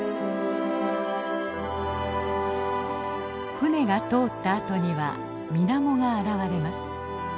舟が通ったあとには水面が現れます。